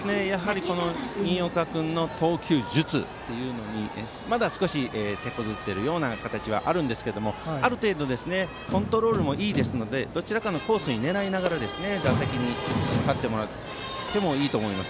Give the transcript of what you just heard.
新岡君の投球術にまだ少してこずっている形はありますがある程度コントロールもいいですのでどちらかのコースに狙いながら打席に立ってもらってもいいと思います。